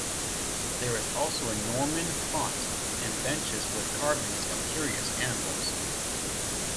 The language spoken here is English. There is also a Norman font, and benches with carvings of curious animals.